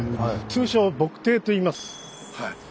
通称「墨堤」といいます。